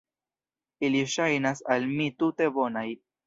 Ili ŝajnas al mi tute bonaj.